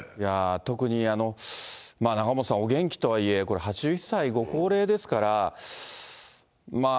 特に、仲本さんお元気とはいえ、８１歳、ご高齢ですから。